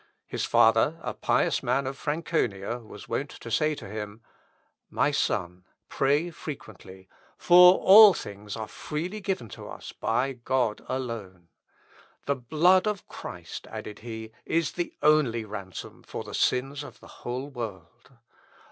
His father, a pious man of Franconia, was wont to say to him, "My son, pray frequently, for all things are freely given to us by God alone. The blood of Christ," added he, "is the only ransom for the sins of the whole world.